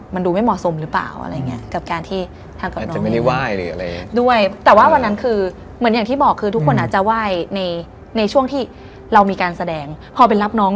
ไม่ได้หลังจากที่มีเสียง